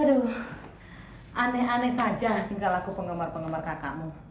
aduh aneh aneh saja tinggal laku penggemar penggemar kakakmu